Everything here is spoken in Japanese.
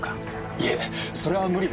いえそれは無理です。